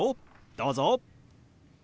どうぞ。